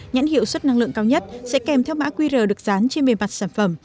nhãn hiệu suất năng lượng cao nhất sẽ kèm theo mã qr được dán trên bề mặt sản phẩm